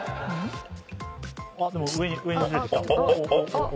あっでも上に上にずれてきた。